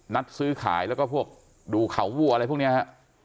นัดซื้อขายแล้วก็พวกดูเขาวัวอะไรพวกนี้ฮะ